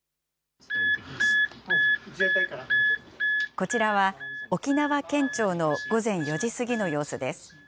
こちらは、沖縄県庁の午前４時過ぎの様子です。